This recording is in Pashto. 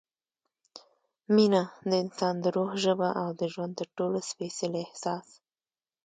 مینه – د انسان د روح ژبه او د ژوند تر ټولو سپېڅلی احساس